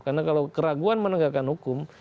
karena kalau keraguan menegakkan hukum